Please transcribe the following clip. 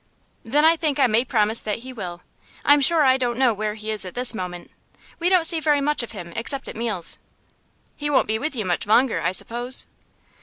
'Then I think I may promise that he will. I'm sure I don't know where he is at this moment. We don't see very much of him, except at meals.' 'He won't be with you much longer, I suppose?